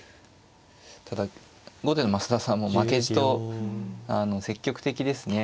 ただ後手の増田さんも負けじと積極的ですね。